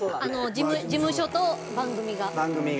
事務所と番組が。